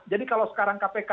jadi kalau sekarang kpk